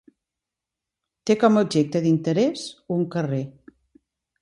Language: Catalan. Té com a objecte d'interès un carrer.